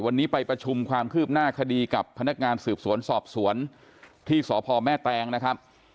วันนี้ไปประชุมความคืบหน้าคดีกับพนักงานสืบสวนสอบสวนที่สพแม่แตงนะครับ